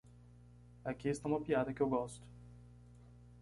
Aqui está uma piada que eu gosto.